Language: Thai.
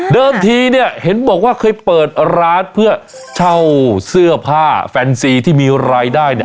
ทีเนี่ยเห็นบอกว่าเคยเปิดร้านเพื่อเช่าเสื้อผ้าแฟนซีที่มีรายได้เนี่ย